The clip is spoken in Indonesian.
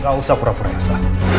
gak usah pura pura biasa